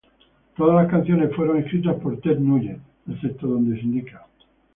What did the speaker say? Todas las canciones fueron escritas por Ted Nugent, excepto donde se indica.